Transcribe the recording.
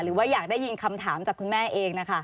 หรือว่าอยากได้ยินคำถามจากคุณแม่เองนะคะ